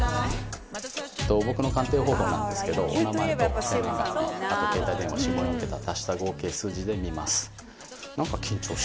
僕の鑑定方法なんですけどお名前と生年月日あと携帯電話下４桁を足した合計数字で見ます。